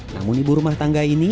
namun ibu rumah tangga ini